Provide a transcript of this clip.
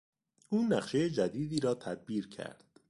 او نقشهی جدیدی را تدبیر کرد.